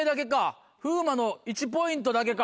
風磨の１ポイントだけか。